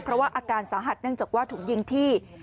เพราะว่าอาการสาหัสเนื่องจากว่าถูกยิงที่